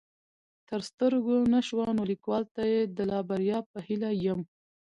تر سترګو نه شوه نو ليکوال ته يې د لا بريا په هيله يم